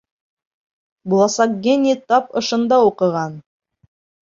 Буласаҡ гений тап ошонда уҡыған.